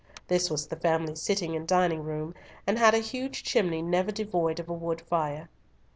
This was the family sitting and dining room, and had a huge chimney never devoid of a wood fire.